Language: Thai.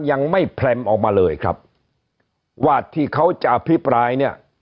ยังไม่แพร่มออกมาเลยครับว่าที่เขาจะอภิปรายเนี่ย